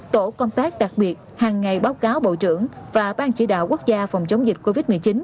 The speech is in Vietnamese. tổ công tác đặc biệt hàng ngày báo cáo bộ trưởng và ban chỉ đạo quốc gia phòng chống dịch covid một mươi chín